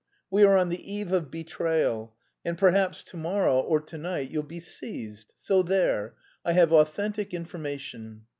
We are on the eve of betrayal, and perhaps to morrow or to night you'll be seized. So there. I have authentic information."